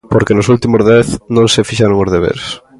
Porque nos últimos dez non se fixeron os deberes.